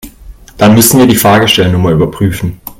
Dann müssen wir die Fahrgestellnummer überprüfen.